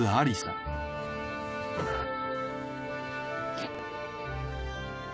えっ？